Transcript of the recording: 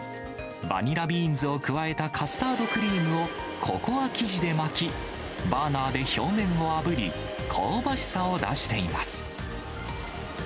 バニラビーンズを加えたカスタードクリームをココア生地で巻き、バーナーで表面をあぶり、香ばしさを出しています。